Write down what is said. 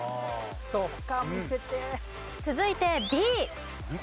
続いてＢ。